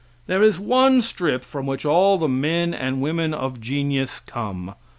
There is one strip from which all the men and women of genius come.